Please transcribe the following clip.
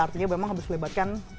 artinya memang harus melibatkan